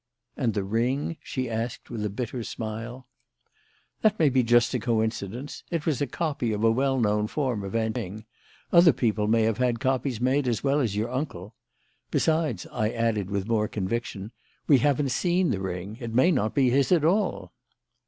"And the ring?" she asked, with a bitter smile. "That may be just a coincidence. It was a copy of a well known form of antique ring. Other people may have had copies made as well as your uncle. Besides," I added, with more conviction, "we haven't seen the ring. It may not be his at all."